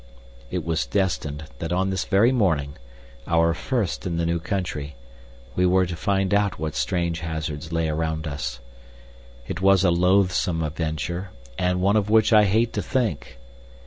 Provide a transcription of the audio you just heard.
It was destined that on this very morning our first in the new country we were to find out what strange hazards lay around us. It was a loathsome adventure, and one of which I hate to think.